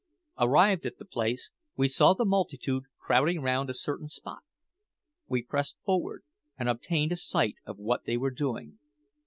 Arrived at the place, we saw the multitude crowding round a certain spot. We pressed forward, and obtained a sight of what they were doing.